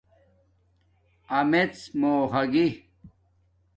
آمیڎ مُو ھاگی